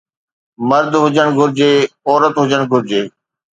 مرد هجڻ گهرجي عورت هجڻ گهرجي